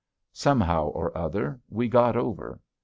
Somehow or other, we got over.